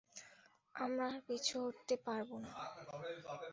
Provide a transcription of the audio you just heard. আমরা আর পিছু হটতে পারবো না।